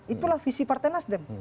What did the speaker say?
itulah visi partai nasdem